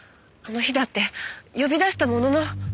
あの日だって呼び出したものの。